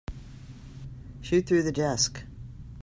Shoot through the desk.